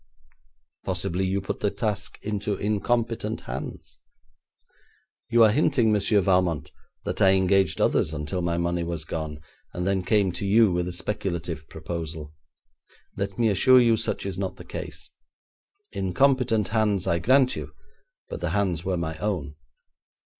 'Possibly you put the task into incompetent hands?' 'You are hinting, Monsieur Valmont, that I engaged others until my money was gone, then came to you with a speculative proposal. Let me assure you such is not the case. Incompetent hands, I grant you, but the hands were my own.